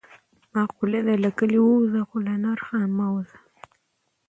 معقوله ده: له کلي ووځه خو له نرخ نه مه وځه.